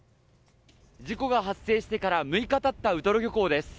事故が発生してから６日経ったウトロ漁港です。